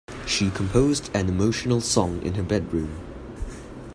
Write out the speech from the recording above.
She composed an emotional song in her bedroom.